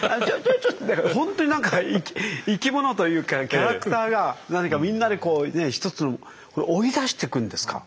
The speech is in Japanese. ほんとになんか生き物というかキャラクターが何かみんなでこう１つのこれ追い出していくんですか？